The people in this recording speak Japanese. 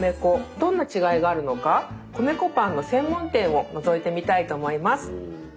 どんな違いがあるのか米粉パンの専門店をのぞいてみたいと思います。